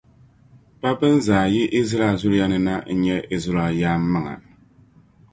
pa bɛn zaa yi Izraɛl zuliya ni na n-nyɛ Izraɛl yaan’ maŋa.